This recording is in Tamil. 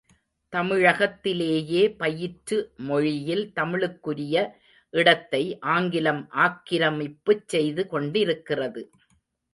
தமிழகத்திலேயே பயிற்று மொழியில் தமிழுக்குரிய இடத்தை ஆங்கிலம் ஆக்கிரமிப்புச் செய்து கொண்டிருக்கிறது.